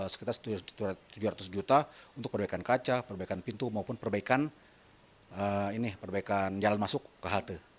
sekitar tujuh ratus juta untuk perbaikan kaca perbaikan pintu maupun perbaikan jalan masuk ke halte